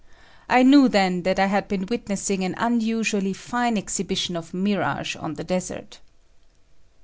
I knew then that I had been witnessing an unusually fine exhibition of mirage on the desert.